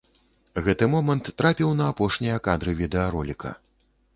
Гэты момант трапіў на апошнія кадры відэароліка.